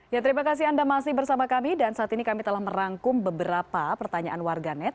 ya terima kasih anda masih bersama kami dan saat ini kami telah merangkum beberapa pertanyaan warganet